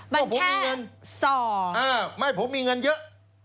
บันแค่ส่ออ๋อผมมีเงินเออไม่ผมมีเงินเยอะ